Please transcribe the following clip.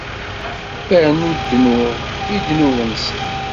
Rnu ddnub i ddnub-nsen.